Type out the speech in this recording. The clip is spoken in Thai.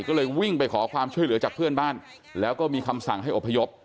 ก็เลยวิ่งไปขอความช่วยเหลือจากเพื่อนบ้านแล้วก็มีคำสั่งให้อบพยพ